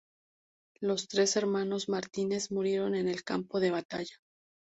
Los tres hermanos Martínez murieron en el campo de batalla.